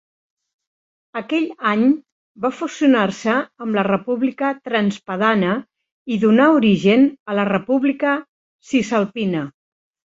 Aquell any va fusionar-se amb la República Transpadana i donà origen a la República Cisalpina.